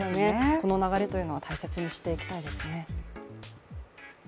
この流れというのは大切にしていきたいですね